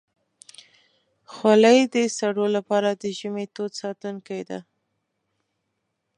خولۍ د سړو لپاره د ژمي تود ساتونکی ده.